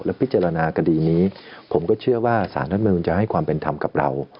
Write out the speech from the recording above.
พิจารณาคดีนี้ผมก็เชื่อว่าสารรัฐมนุนจะให้ความเป็นธรรมกับเรา